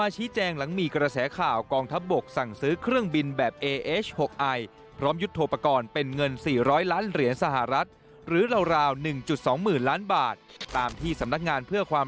เจาะประเด็นจากรายงานครับ